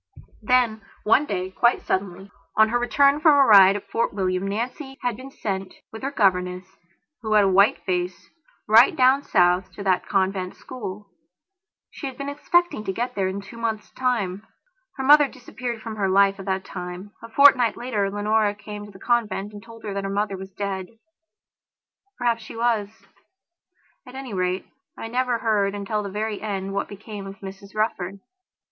Then one day, quite suddenly, on her return from a ride at Fort William, Nancy had been sent, with her governess, who had a white face, right down South to that convent school. She had been expecting to go there in two months' time. Her mother disappeared from her life at that time. A fortnight later Leonora came to the convent and told her that her mother was dead. Perhaps she was. At any rate, I never heard until the very end what became of Mrs Rufford.